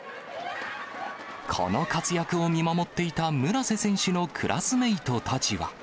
この活躍を見守っていた、村瀬選手のクラスメートたちは。